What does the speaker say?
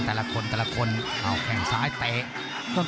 แต่ละคนแต่ละคนเอาแข่งซ้ายเตะ